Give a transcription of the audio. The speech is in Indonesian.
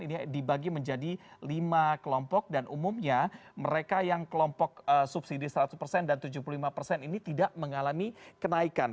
ini dibagi menjadi lima kelompok dan umumnya mereka yang kelompok subsidi seratus persen dan tujuh puluh lima persen ini tidak mengalami kenaikan